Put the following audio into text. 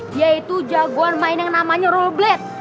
dia itu jagoan main yang namanya role blade